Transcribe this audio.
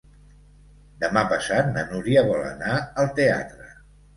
Demà passat na Núria vol anar al teatre.